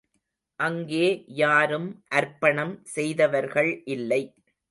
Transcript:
அங்கே யாரும் அர்ப்பணம் செய்தவர்கள் இல்லை.